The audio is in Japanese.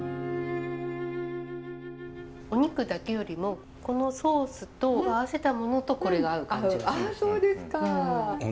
お肉だけよりもこのソースと合わせたものとこれが合う感じがする。